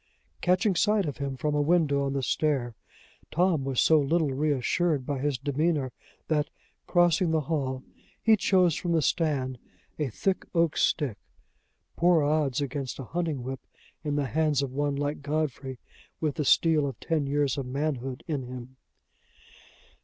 Catching sight of him from a window on the stair, Tom was so little reassured by his demeanor, that, crossing the hall, he chose from the stand a thick oak stick poor odds against a hunting whip in the hands of one like Godfrey, with the steel of ten years of manhood in him.